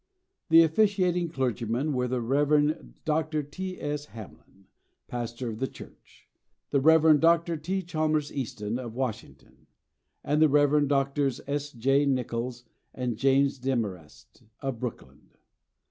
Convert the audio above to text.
The officiating clergymen were the Rev. Dr. T.S. Hamlin, pastor of the Church; the Rev. Dr. T. Chalmers Easton, of Washington; and the Rev. Drs. S.J. Nicols, and James Demarest, of Brooklyn.